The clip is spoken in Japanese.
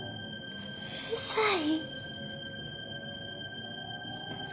うるさい。